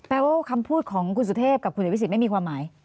ว่าคำพูดของคุณสุเทพกับคุณอภิษฎไม่มีความหมาย